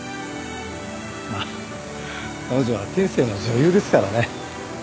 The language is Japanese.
まあ彼女は天性の女優ですからね。